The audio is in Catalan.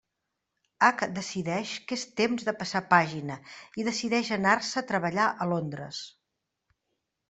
Hac decideix que és temps de passar pàgina i decideix anar-se a treballar a Londres.